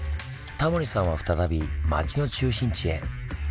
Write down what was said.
タモリさんは再び町の中心地へ。